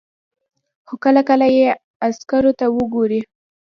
خو کله کله یې عکسونو ته وګورئ.